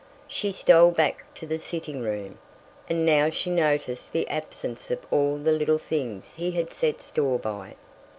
She stole back to the sitting room, and now she noticed the absence of all the little things he had set store by.